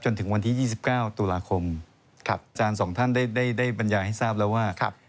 จนถึงวันที่๒๙ตุลาคมอาจารย์สองท่านได้บรรยายให้ทราบแล้วว่า